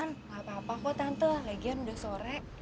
nggak apa apa aku tante lagian udah sore